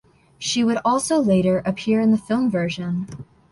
She would also later appear in the film version.